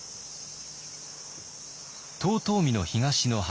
遠江の東の端